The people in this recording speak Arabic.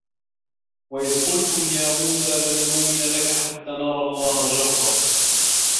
وَإِذْ قُلْتُمْ يَا مُوسَىٰ لَنْ نُؤْمِنَ لَكَ حَتَّىٰ نَرَى اللَّهَ جَهْرَةً